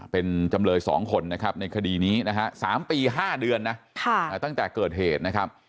เป็นจำลย๒คนในคดีนี้๓ปี๕เดือนตั้งแต่เกิดเหตุ